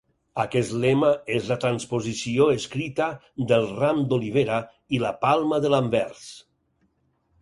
Aquest lema és la transposició escrita del ram d'olivera i la palma de l'anvers.